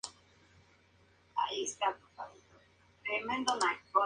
Este volumen supone el comienzo del movimiento espiritista contemporáneo.